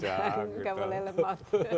gak boleh lemak